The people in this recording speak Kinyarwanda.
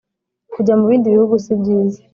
kujya mu bindi bihugu sibyiza